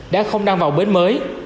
đã không đăng vào bến mới